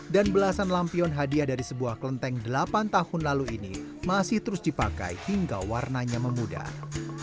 dan belasan lampion hadiah dari sebuah kelenteng delapan tahun lalu ini masih terus dipakai hingga warnanya memudar